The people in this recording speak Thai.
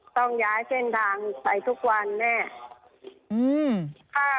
ต้องย้ายเส้นทางไปทุกวันแน่